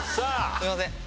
すいません。